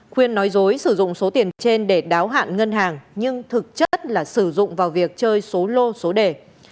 khuyên nói dối sử dụng số tiền trên để đáo hạn ngân hàng nhưng thực chất là sử dụng vào việc chơi số lô số đề